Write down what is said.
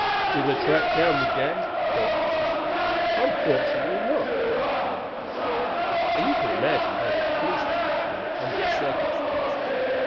"Did they track down the gang?" Bert persisted. "Unfortunately not," Richard Holt admitted. "And you can imagine how the police chief felt, under the circumstances.